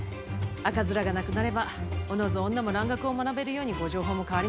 赤面がなくなればおのず女も蘭学を学べるようにご定法も変わりますかね。